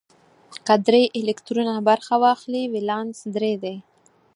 که درې الکترونه برخه واخلي ولانس درې دی.